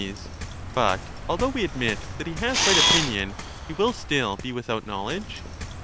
277 Soc. But although we admit that he has right opinion, he Theaetetus, will still be without knowledge